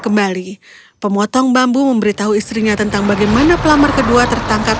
kembali pemotong bambu memberitahu istrinya tentang bagaimana pelamar kedua tertangkap